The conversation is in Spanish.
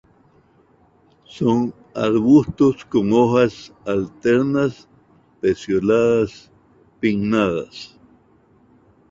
Son arbustos con hojas alternas, pecioladas, pinnadas.